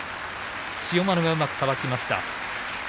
千代丸がうまく、さばきました。